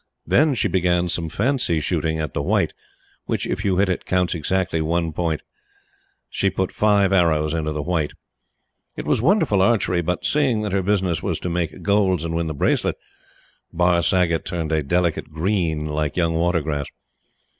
Then she began some fancy shooting at the white, which, if you hit it, counts exactly one point. She put five arrows into the white. It was wonderful archery; but, seeing that her business was to make "golds" and win the bracelet, Barr Saggott turned a delicate green like young water grass.